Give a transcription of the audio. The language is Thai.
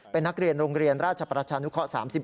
เป็นนักเรียนโรงเรียนราชประชานุข๓๕